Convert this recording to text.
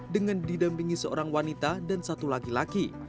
dengan didampingi seorang wanita dan satu laki laki